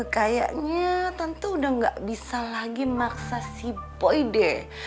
kayaknya tante udah gak bisa lagi maksa si boy deh